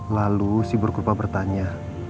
lalu si buruk kurpa bertanya